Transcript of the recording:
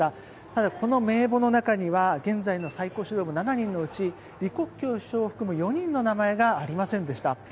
ただ、この名簿の中には現在の最高指導部７人のうち李克強首相を含む４人の名前がありませんでした。